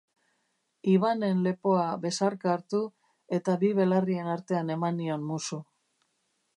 Yvanen lepoa besarka hartu eta bi belarrien artean eman nion musu.